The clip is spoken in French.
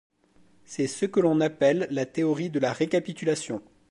C'est ce que l'on appelle la théorie de la récapitulation.